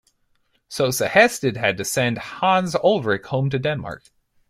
So Sehested had to send Hans Ulrik home to Denmark.